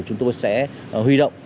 chúng tôi sẽ huy động